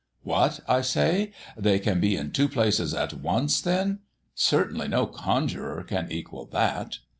'What!' I say. 'They can be in two places at once, then! Certainly no conjurer can equal that!'"